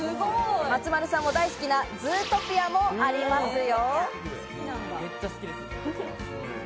松丸さんも大好きな『ズートピア』もありますよ。